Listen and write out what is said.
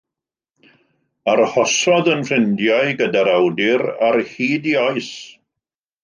Arhosodd yn ffrindiau gyda'r awdur ar hyd ei oes.